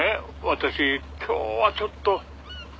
私今日はちょっと。